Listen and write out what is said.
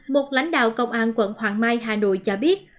một lãnh đạo công an quận hoàng mai hà nội cho biết